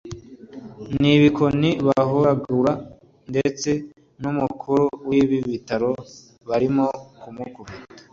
nibikoni bahuragura ndetse numukuru wibi bitaro barimo kumukubita